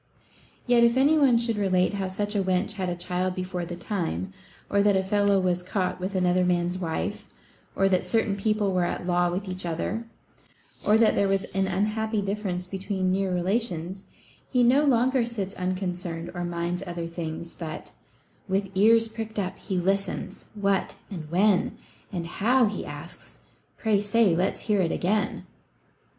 Yet, if any one should relate how such a wench had a child before the time, or that a fellow was caught with another man's wife, or that certain people were at law with each other, or that there was an unhappy difference between near relations, he no longer sits unconcerned or minds other things, but With ears pricked up, he listens. What, and when, And how, he asks ; pray say, let's hear't again